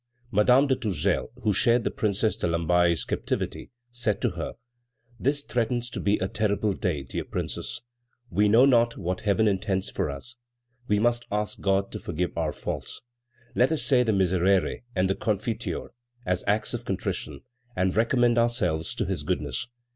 Madame de Tourzel, who shared the Princess de Lamballe's captivity, said to her: "This threatens to be a terrible day, dear Princess; we know not what Heaven intends for us; we must ask God to forgive our faults. Let us say the Miserere and the Confiteor as acts of contrition, and recommend ourselves to His goodness."